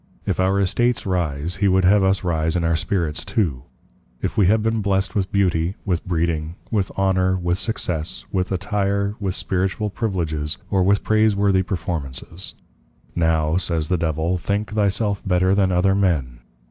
If our Estates rise, he would have us rise in our Spirits too. If we have been blessed with Beauty, with Breeding, with Honour, with Success, with Attire, with Spiritual Priviledges, or with Praise worthy Performances; Now says the Devil, _Think thy self better than other Men.